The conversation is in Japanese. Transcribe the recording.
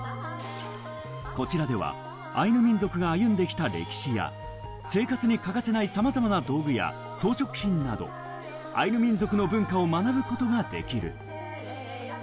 こちらではアイヌ民族が歩んできた歴史や生活に欠かせないさまざまな道具や装飾品などアイヌ民族の文化を学ぶことができる。